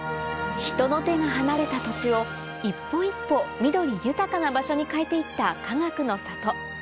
人の手が離れた土地を一歩一歩緑豊かな場所に変えて行ったかがくの里